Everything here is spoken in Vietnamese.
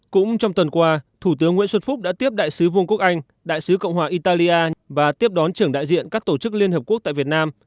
cũng trong tuần qua thủ tướng nguyễn xuân phúc đã tiếp đại sứ vương quốc anh đại sứ cộng hòa italia và tiếp đón trưởng đại diện các tổ chức liên hợp quốc tại việt nam